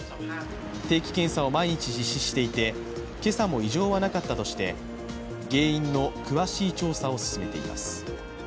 定期検査を毎日実施していて、今朝も異常はなかったとして原因の詳しい調査を進めています。